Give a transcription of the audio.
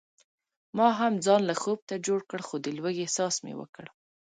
ما هم ځان لږ خوب ته جوړ کړ خو د لوږې احساس مې وکړ.